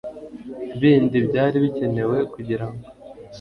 bindi byari bikenewe kugirango